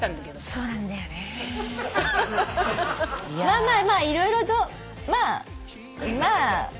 まあまあまあ色々とまあまあ。